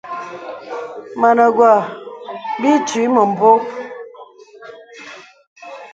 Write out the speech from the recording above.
Mə nə wɔ bì ìtwì ləbô.